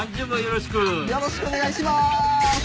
よろしくお願いします。